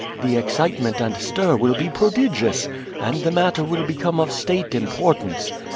The excitement and stir will be prodigious, and the matter will become of state importance.